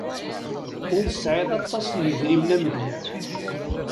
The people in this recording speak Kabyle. Ur tesɛiḍ aṭas n yedrimen am gma-k.